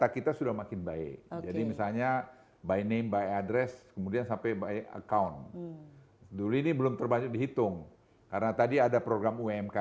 kita buat tim